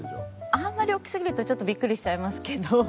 あんまり大きすぎるとちょっとビックリしちゃいますけど。